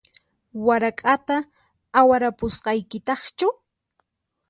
Warak'ata awarapusqaykitaqchu?